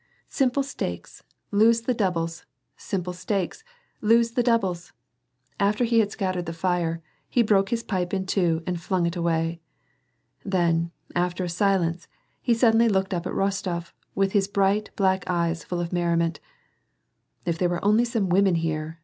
Simple stakes, lose the doubles, simple stakes, lose tlie doubles." After he had scattered the fire, he broke his pipe in two and flung it away. Then, after a silence, he suddenly looked up at Rostof with his bright, black eyes full of merri ment,— " If there were only some women here.